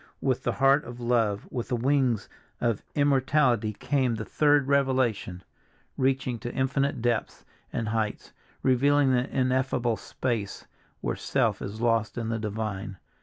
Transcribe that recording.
With the heart of love, with the wings of immortality came the third revelation, reaching to infinite depths and heights, revealing the ineffable space where self is lost in the divine.